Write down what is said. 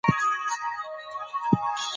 افغانستان د جواهرات د ساتنې لپاره قوانین لري.